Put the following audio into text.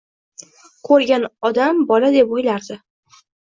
koʻrgan odam bola deb oʻylardi.